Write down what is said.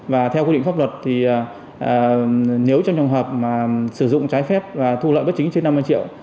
và theo quy định pháp luật thì nếu trong trường hợp mà sử dụng trái phép và thu lợi bất chính trên năm mươi triệu